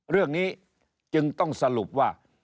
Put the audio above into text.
เรื่องนี้จึงต้องสรุปว่า